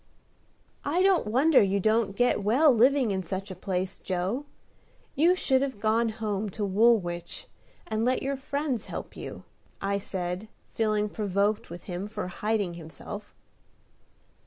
"I don't wonder you don't get well living in such a place, Joe. You should have gone home to Woolwich, and let your friends help you," I said, feeling provoked with him for hiding himself.